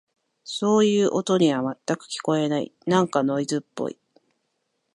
そういう音には、全く聞こえない。なんかノイズっぽい。